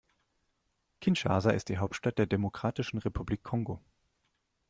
Kinshasa ist die Hauptstadt der Demokratischen Republik Kongo.